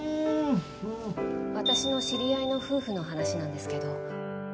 私の知り合いの夫婦の話なんですけど。